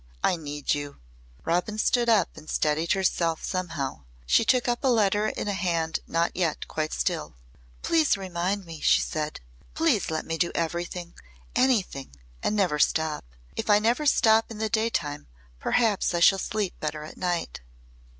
I need you." Robin stood up and steadied herself somehow. She took up a letter in a hand not yet quite still. "Please need me," she said. "Please let me do everything anything and never stop. If I never stop in the day time perhaps I shall sleep better at night."